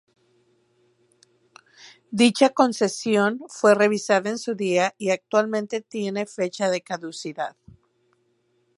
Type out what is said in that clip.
Dicha concesión fue revisada en su dia y actualmente tiene fecha de caducidad.